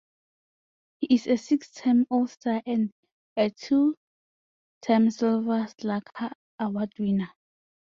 He is a six-time All-Star and a two-time Silver Slugger Award winner.